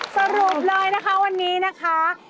สรุปเลยนะคะวันนี้นะคะ